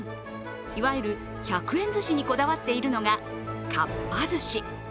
いわゆる１００円ずしにこだわっているのがかっぱ寿司。